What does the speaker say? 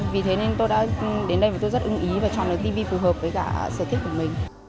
vì thế nên tôi đã đến đây và tôi rất ưng ý và chọn được tv phù hợp với cả sở thích của mình